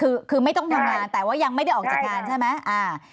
คือคือไม่ต้องทำงานแต่ว่ายังไม่ได้ออกจากงานใช่ไหม